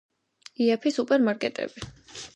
იაფი სუპერ მარკეტები